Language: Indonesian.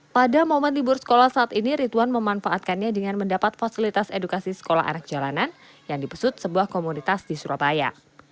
pada momen libur sekolah saat ini ridwan memanfaatkannya dengan mendapat fasilitas edukasi sekolah anak jalanan yang dipesut sebuah komunitas di surabaya